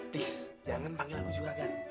please jangan panggil aku juragan